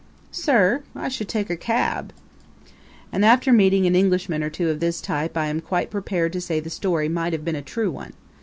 "Sir, I should take a cab!" And after meeting an Englishman or two of this type I am quite prepared to say the story might have been a true one.